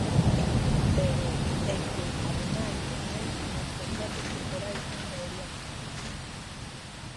Pero é que, ademais, tamén nos contratos temporais son maioría mulleres.